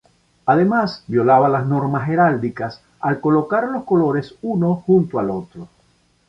Además, violaba las normas heráldicas al colocar los colores uno junto al otro.